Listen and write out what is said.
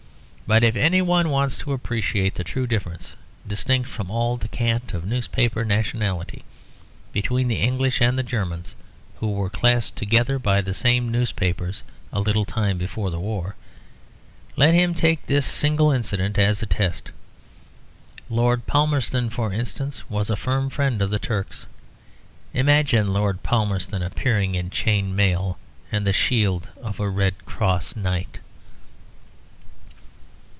But if any one wants to appreciate the true difference, distinct from all the cant of newspaper nationality, between the English and the Germans (who were classed together by the same newspapers a little time before the war) let him take this single incident as a test. Lord Palmerston, for instance, was a firm friend of the Turks. Imagine Lord Palmerston appearing in chain mail and the shield of a Red Cross Knight.